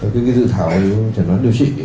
cái dự thảo chẩn đoán điều trị ấy